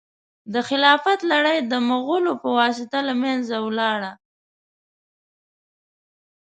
د خلافت لړۍ د مغولو په واسطه له منځه ولاړه.